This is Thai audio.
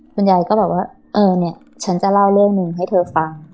คุณยายก็บอกว่าเออเนี่ยฉันจะเล่าเรื่องหนึ่งให้เธอฟัง